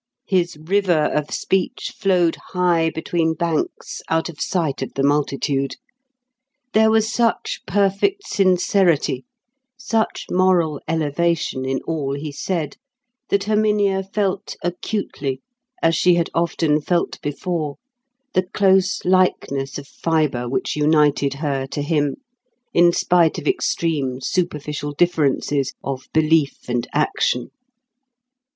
His river of speech flowed high between banks out of sight of the multitude. There was such perfect sincerity, such moral elevation in all he said, that Herminia felt acutely, as she had often felt before, the close likeness of fibre which united her to him, in spite of extreme superficial differences of belief and action.